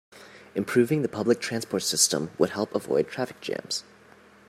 Improving the public transport system would help avoid traffic jams.